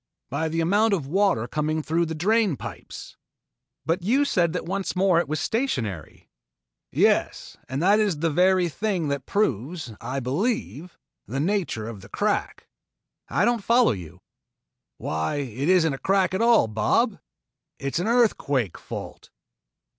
"By the amount of water coming through the drain pipes." "But you said that once more it was stationary." "Yes, and that is the very thing that proves, I believe, the nature of the crack." "I don't follow you." "Why it isn't a crack at all, Bob. It is an earthquake fault."